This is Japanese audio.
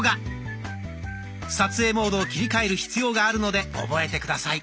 撮影モードを切り替える必要があるので覚えて下さい。